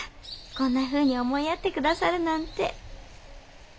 こんなふうに思いやって下さるなんて。